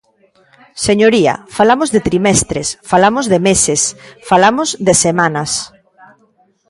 Señoría, falamos de trimestres, falamos de meses, falamos de semanas.